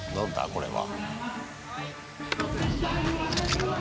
これは。